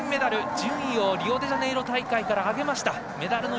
順位をリオデジャネイロ大会から上げました。